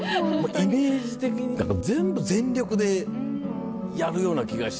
イメージ的に全部全力でやるような気がして。